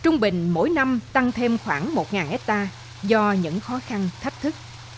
trung bình mỗi năm tăng thêm khoảng một hectare do những khó khăn thách thức